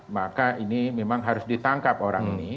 maka ini memang harus ditangkap orang ini